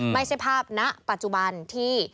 ไม่ใช่ภาพณปัจจุบันที่